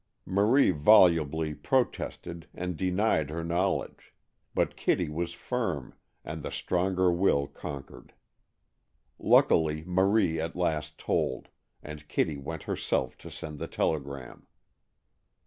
Marie volubly protested and denied her knowledge, but Kitty was firm, and the stronger will conquered. Luckily, Marie at last told, and Kitty went herself to send the telegram.